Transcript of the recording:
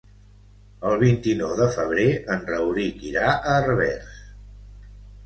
El vint-i-nou de febrer en Rauric irà a Herbers.